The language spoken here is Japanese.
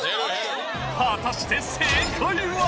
果たして正解は。